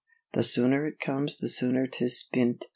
The sooner it comes the sooner 'tis spint.